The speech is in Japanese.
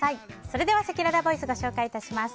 それでは、せきららボイスご紹介致します。